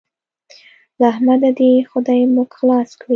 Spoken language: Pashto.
له احمده دې خدای موږ خلاص کړي.